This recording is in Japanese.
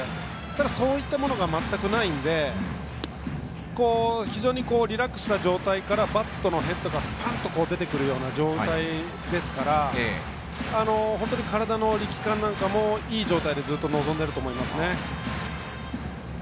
そういったものが全くないので非常にリラックスした状態でバットのヘッドがスパーンと出てくる状態ですから体の力感なんかもいい状態で臨んでいると思いますね。